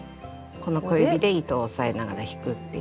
この小指で糸を押さえながら引くっていう。